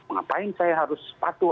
ngapain saya harus patuh